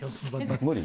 無理？